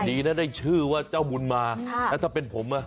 ดีนะได้ชื่อว่าเจ้าบุญมาแล้วถ้าเป็นผมอ่ะ